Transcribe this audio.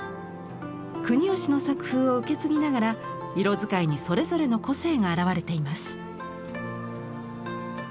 国芳の作風を受け継ぎながら色使いにそれぞれの個性が表れています。